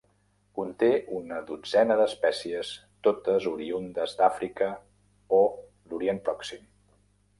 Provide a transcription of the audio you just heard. Conté una dotzena d'espècies, totes oriündes d'Àfrica o l'Orient Pròxim.